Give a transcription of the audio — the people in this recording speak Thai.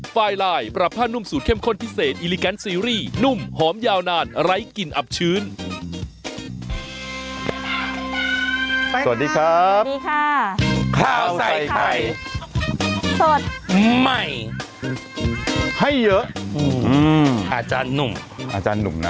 สวัสดีครับสวัสดีค่ะข้าวใส่ไข่สดใหม่ให้เยอะอาจารย์หนุ่มอาจารย์หนุ่มนะ